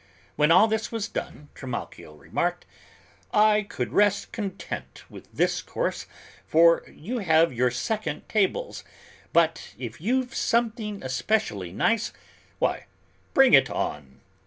When all this was done Trimalchio remarked, "I could rest content with this course, for you have your second tables, but, if you've something especially nice, why bring it on."